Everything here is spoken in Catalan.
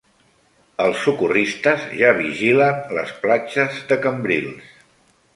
Els socorristes ja vigilen les platges de Cambrils.